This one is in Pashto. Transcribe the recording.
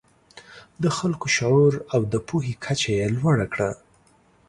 د خلکو شعور او د پوهې کچه یې لوړه کړه.